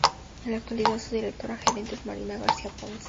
En la actualidad, su directora gerente es Marina García Ponce.